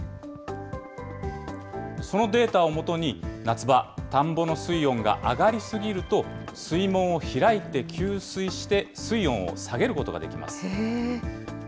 そのデータをもとに、夏場、田んぼの水温が上がり過ぎると、水門を開いて給水して水温を下げることができます。